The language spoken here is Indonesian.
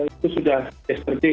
itu sudah yesterday